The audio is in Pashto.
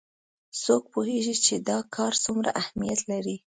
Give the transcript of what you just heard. څوک پوهیږي چې دا کار څومره اهمیت لري